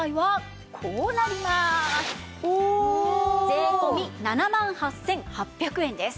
税込７万８８００円です。